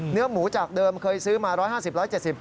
เนื้อหมูจากเดิมเคยซื้อมา๑๕๐๑๗๐บาท